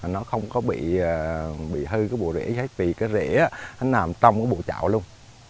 nó không có bị hư cái bộ rễ hết vì cái rễ nó nằm trong cái bộ chậu luôn